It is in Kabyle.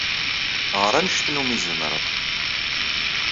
Ɣer anect umi tzemreḍ.